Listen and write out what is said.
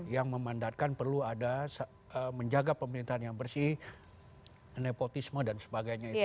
yang memandatkan perlu ada menjaga pemerintahan yang bersih nepotisme dan sebagainya itu